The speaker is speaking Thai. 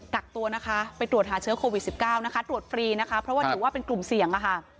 กักตัวนะคะไปตรวจหาเชื้อโควิด๑๙นะคะตรวจฟรีนะคะเพราะว่าถือว่าเป็นกลุ่มเสี่ยงอะค่ะ